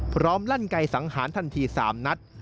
พร้อมลั่นไกสังหารทันทีสามนัด